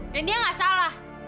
dan dia gak salah